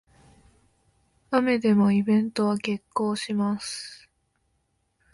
雨でもイベントは決行します